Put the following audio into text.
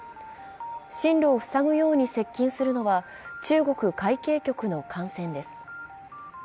進路を塞ぐように接近するのは、中国海警局の艦船です。